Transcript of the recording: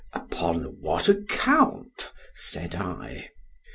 Upon what account? said I.